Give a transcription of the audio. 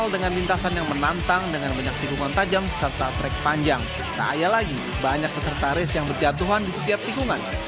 dengan banyak tikungan tajam serta trek panjang tak ada lagi banyak peserta race yang berjatuhan di setiap tikungan